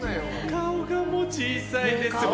顔が小さいです。